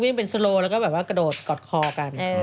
วิ่งเป็นโซโลแล้วก็กระโดดกอดคอกัน